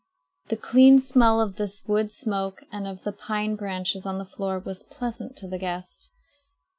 The clean smell of this wood smoke and of the pine branches on the floor was pleasant to the guests.